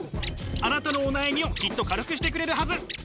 あなたのお悩みをきっと軽くしてくれるはず。